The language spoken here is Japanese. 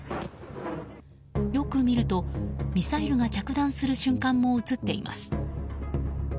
よく見るとミサイルが着弾する瞬間も映っています。